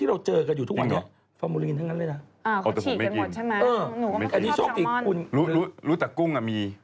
รู้จักกุ้งอะมี